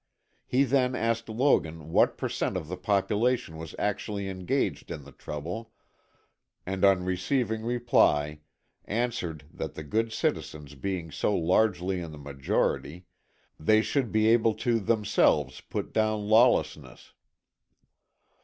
He then asked Logan what per cent of the population was actually engaged in the trouble, and on receiving reply, answered that the good citizens being so largely in the majority, they should be able to themselves put down lawlessness.